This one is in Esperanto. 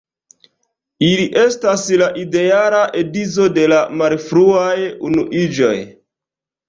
Li estas la ideala edzo de la malfruaj unuiĝoj.